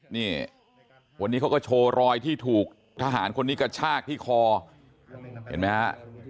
นี่วันนี้เขาก็โชว์รอยที่ถูกทหารคนนี้กระชากที่คอเห็นไหมฮะ